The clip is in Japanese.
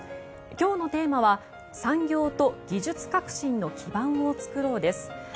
今日のテーマは「産業と技術革新の基盤をつくろう」です。